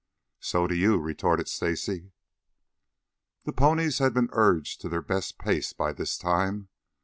"So do you," retorted Stacy. The ponies had been urged to their best pace by this time.